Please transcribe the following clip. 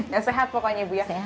nah sehat pokoknya ibu ya